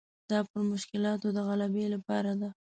دا پر مشکلاتو د غلبې لپاره ده.